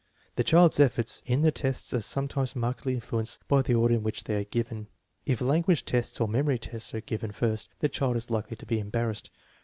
The child's efforts in the tests are sometimes markedly influenced by the order in which they are given. If language tests or memory tests are given first, the child is likely to be embarrassed.